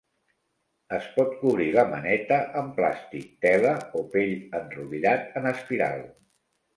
Es pot cobrir la maneta amb plàstic, tela o pell enrotllat en espiral.